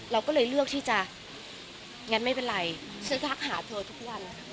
เราก็เลยเลือกที่จะงั้นไม่เป็นไรฉันทักหาเธอทุกวัน